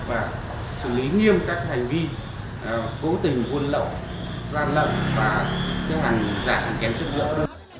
và xử lý nghiêm các hành vi cố tình vun lộn gian lậm và hành giả kém chức năng